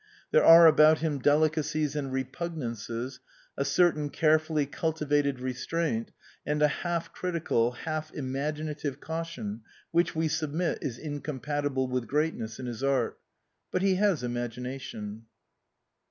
There are about him delicacies and repugnances, a certain carefully cultivated restraint, and a half critical, half imaginative caution which, we submit, is incom patible with greatness in his art. But he has imagination."